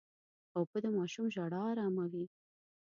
اوبه د ماشوم ژړا اراموي.